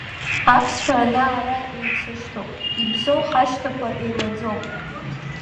Аԥсцәа ана-ара еицышьҭоуп, ибзоу ҳашьҭақәа еилаӡом.